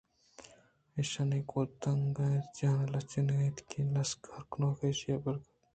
ایشانی گُد تنک اَنت ءُ جان ءَ لچّیتگ اَنت کہ لس کار کنوکے ایشان پِر کُت نہ کنت